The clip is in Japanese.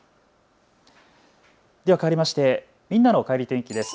ではかわりましてみんなのおかえり天気です。